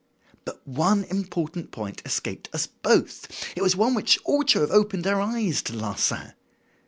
"But one important point escaped us both. It was one which ought to have opened our eyes to Larsan.